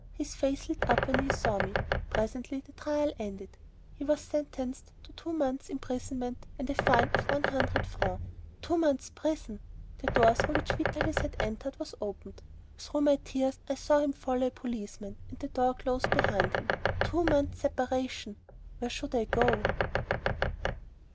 His face lit up when he saw me. Presently, the trial ended. He was sentenced to two months' imprisonment and a fine of one hundred francs. Two months' prison! The door through which Vitalis had entered was opened. Through my tears I saw him follow a policeman, and the door closed behind him. Two months' separation! Where should I go?